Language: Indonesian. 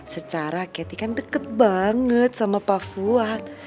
secara keti kan deket banget sama pak fuad